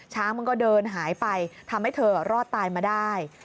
ช้างมันก็เดินหายไปทำให้เธอรอดตายมาได้